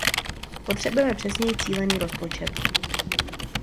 Potřebujeme přesněji cílený rozpočet.